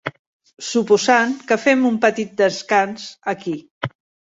Suposant que fem un petit descans aquí.